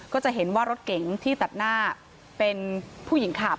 ก็จะเห็นว่ารถเก๋งที่ตัดหน้าเป็นผู้หญิงขับ